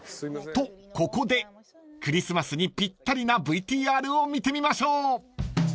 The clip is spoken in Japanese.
［とここでクリスマスにぴったりなＶＴＲを見てみましょう］